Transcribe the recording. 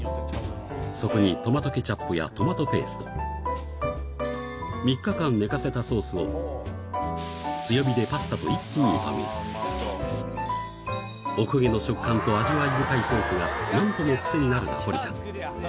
そこにトマトケチャップやトマトペースト３日間寝かせたソースを強火でパスタと一気に炒めるおこげの食感と味わい深いソースがなんとも癖になるナポリタン